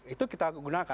itu kita gunakan